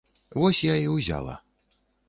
Вось я і ўзяла.